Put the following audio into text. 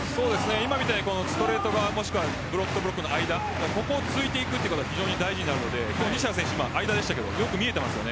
今みたいにストレート側ブロックとブロックの間ここを突いていくことが非常に大事なので西田選手は間でしたけどよく見ていました。